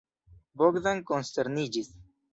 Bogdan konsterniĝis.